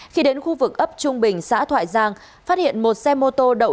khi đến khu vực ấp trung bình xã thoại giang phát hiện một xe mô tô đậu